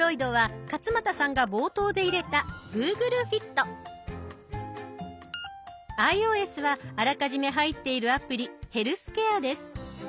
ｉＯＳはあらかじめ入っているアプリ「ヘルスケア」です。